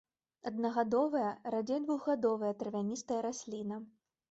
Аднагадовая, радзей двухгадовая травяністая расліна.